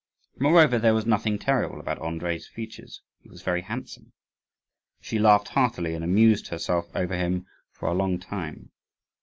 Moreover, there was nothing terrible about Andrii's features; he was very handsome. She laughed heartily, and amused herself over him for a long time.